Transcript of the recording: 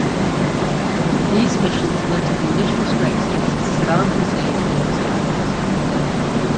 These missions led to the initial strikes against Saddam Hussein and his Generals.